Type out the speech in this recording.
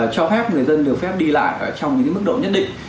cho phép người dân được phép đi lại trong những mức độ nhất định